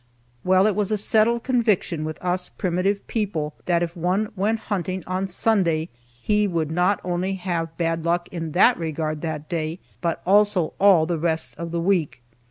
Well, it was a settled conviction with us primitive people that if one went hunting on Sunday, he would not only have bad luck in that regard that day, but also all the rest of the week.